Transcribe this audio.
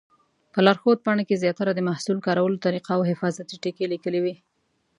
په لارښود پاڼه کې زیاتره د محصول کارولو طریقه او حفاظتي ټکي لیکلي وي.